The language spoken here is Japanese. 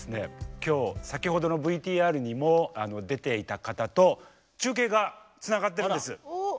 今日先ほどのＶＴＲにも出ていた方と中継がつながってるんです。